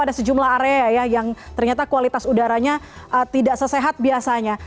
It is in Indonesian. ada sejumlah area ya yang ternyata kualitas udaranya tidak sesehat biasanya